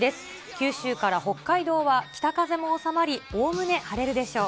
九州から北海道は北風も収まり、おおむね晴れるでしょう。